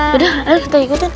yaudah ayo kita ikutin